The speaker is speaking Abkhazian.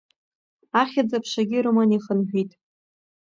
Ахьӡ-аԥшагьы рыманы ихынҳәит.